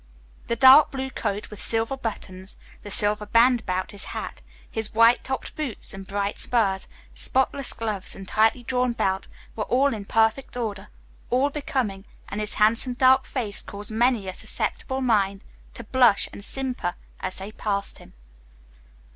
The dark blue coat with silver buttons, the silver band about his hat, his white topped boots and bright spurs, spotless gloves, and tightly drawn belt were all in perfect order, all becoming, and his handsome, dark face caused many a susceptible maid to blush and simper as they passed him.